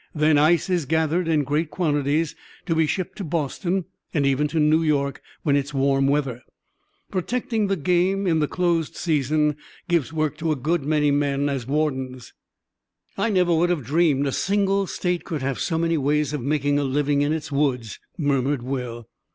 Then, ice is gathered in great quantities, to be shipped to Boston, and even to New York, when it's warm weather. Protecting the game in the close season gives work to a good many men as wardens." "I never would have dreamed a single State could have so many ways of making a living in its woods," murmured Will.